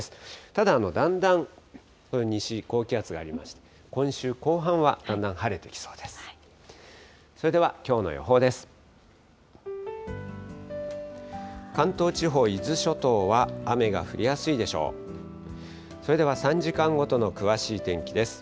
ただ、だんだん西に高気圧がありまして、今週後半はだんだん晴れてきそうです。